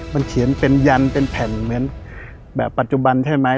มันเขียนเป็นยันเป็นแผ่นเหมือนแบบปัจจุบันใช่ไหม